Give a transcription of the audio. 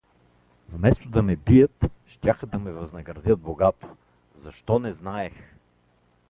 Вместо да ме бият, щяха да ме възнаградят богато… Защо не знаех!